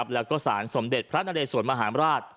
แล้วก็สารสมเด็จพระนเรสวนมหาราช